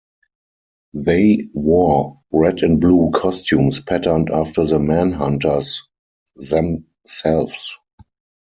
They wore red-and-blue costumes patterned after the Manhunters themselves.